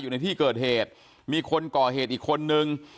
อยู่ในที่เกิดเหตุมีคนก่อเหตุอีกคนนึง